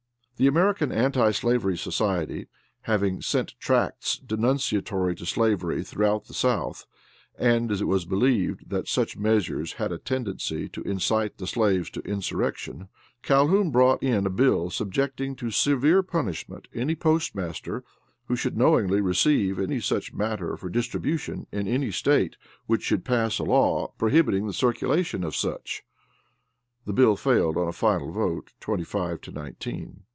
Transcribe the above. The American Anti slavery Society having sent tracts denunciatory to slavery throughout the South, and as it was believed that such measures had a tendency to incite the slaves to insurrection, Calhoun brought in a bill subjecting to severe punishment any postmaster who should knowingly receive any such matter for distribution in any State which should pass a law prohibiting the circulation of such. The bill failed on a final vote, twenty five to nineteen.